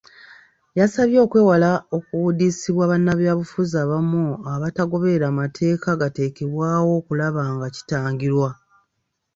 Yabasabye okwewala okuwuudisibwa bannabyabufuzi abamu abatagoberera mateeka gateekebwawo okulaba nga kitangirwa.